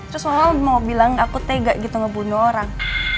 terus mahal mau bilang aku tega gitu ngebunuh orang